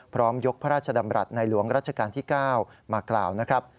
ยกพระราชดำรัฐในหลวงรัชกาลที่๙มากล่าวนะครับ